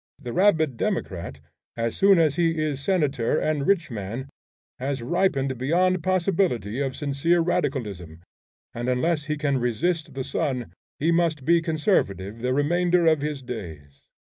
The rabid democrat, as soon as he is senator and rich man, has ripened beyond possibility of sincere radicalism, and unless he can resist the sun, he must be conservative the remainder of his days.